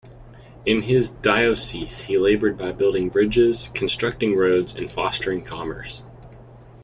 In his diocese he laboured by building bridges, constructing roads, and fostering commerce.